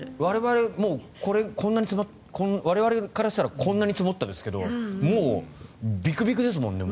我々からしたらこんなに積もったですけどもう、ビクビクですもんね。